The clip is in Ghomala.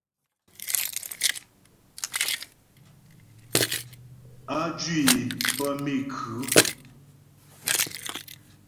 Á jwǐ é pə́ méku.